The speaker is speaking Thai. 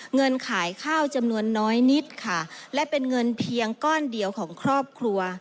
เงินขายข้าวจำนวนน้อยนิดค่ะและเป็นเงินเพียงก้อนเดียวของครอบครัว